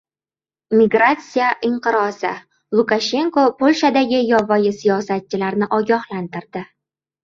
Migratsiya inqirozi: Lukashenko Polshadagi “yovvoyi” siyosatchilarni ogohlantirdi